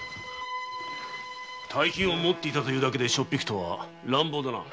大金を持っていただけでしょっぴくとは乱暴な。